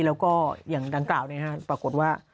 แล้วก็อย่างดังกล่าวเนี่ยฮะปรากฏว่า